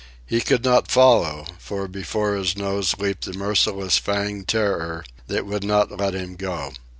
He could not follow, for before his nose leaped the merciless fanged terror that would not let him go.